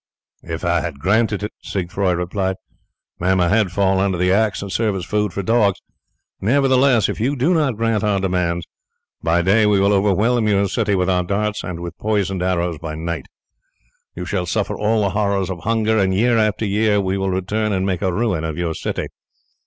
"If I had granted it," Siegfroi replied, "may my head fall under the axe and serve as food for dogs. Nevertheless, if you do not grant our demands, by day we will overwhelm your city with our darts, and with poisoned arrows by night. You shall suffer all the horrors of hunger, and year after year we will return and make a ruin of your city."